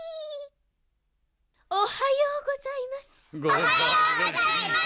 おはようございます。